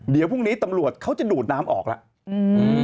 เดี๋ยวพรุ่งนี้ตำรวจเขาจะดูดน้ำออกแล้ว